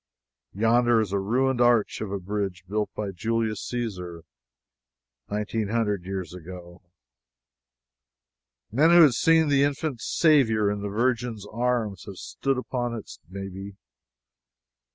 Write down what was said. Yonder is a ruined arch of a bridge built by Julius Caesar nineteen hundred years ago. Men who had seen the infant Saviour in the Virgin's arms have stood upon it, maybe.